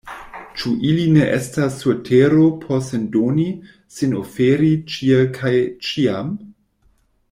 Ĉu ili ne estas sur tero por sin doni, sin oferi, ĉie kaj ĉiam?